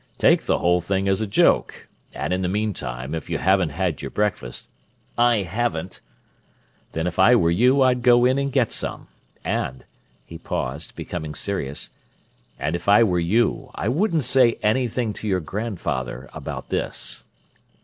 "Take the whole thing as a joke—and in the meantime, if you haven't had your breakfast—" "I haven't!" "Then if I were you I'd go in and get some. And"—he paused, becoming serious—"and if I were you I wouldn't say anything to your grandfather about this."